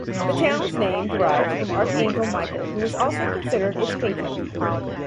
The town's name derives from Archangel Michael who is also considered its patron.